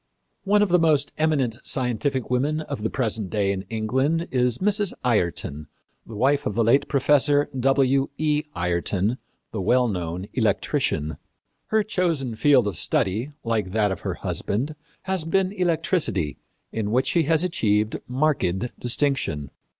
One of the most eminent scientific women of the present day in England is Mrs. Ayrton, the wife of the late Professor W. E. Ayrton, the well known electrician. Her chosen field of research, like that of her husband, has been electricity, in which she has achieved marked distinction.